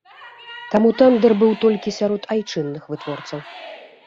Таму тэндэр быў толькі сярод айчынных вытворцаў.